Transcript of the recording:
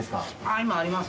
今、ありますよ。